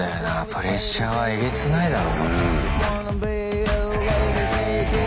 プレッシャーはえげつないだろうな。